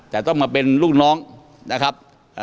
แต่ต้องมาเป็นลูกน้องนะครับ